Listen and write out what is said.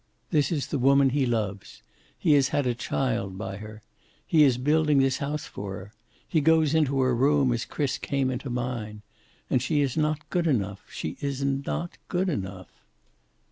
This is the woman he loves. He has had a child by her. He is building this house for her. He goes into her room as Chris came into mine. And she is not good enough. She is not good enough."